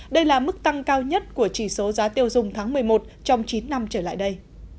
đây là mức tăng cao nhất của chỉ số giá tiêu dùng tháng một mươi một trong chín năm trở lại đây